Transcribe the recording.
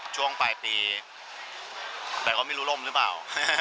ช่วงปลายปีแต่ก็ไม่รู้ร่มหรือเปล่า